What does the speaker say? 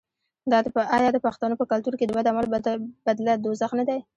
آیا د پښتنو په کلتور کې د بد عمل بدله دوزخ نه دی؟